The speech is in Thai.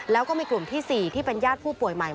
แล้วก็มีกลุ่มที่๔ที่เป็นญาติผู้ป่วยใหม่